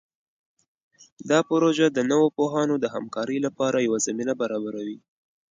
دا پروژه د نوو پوهانو د همکارۍ لپاره یوه زمینه برابروي.